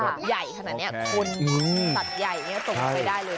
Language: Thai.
ใหญ่ขนาดนี้คนสัตว์ใหญ่ส่งไปได้เลย